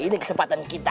ini kesempatan kita